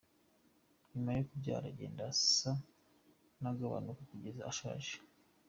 Nyuma yo kubyara agenda asa n’agabanuka kugeza ashaje.